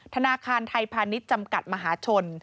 ธนาคารไทยพาณิชย์จำกัดมหาชน